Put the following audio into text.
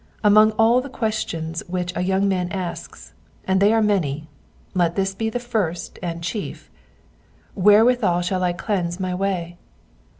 Among all the questions which a young man asks, and they are many, let this be the firet and chief :*' Where withal shall I cleanse my way